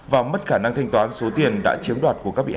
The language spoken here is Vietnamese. và mất khả năng thanh toán số tiền đã chiếm đoạt của các bị hại